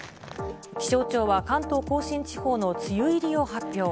気象庁は関東甲信地方の梅雨入りを発表。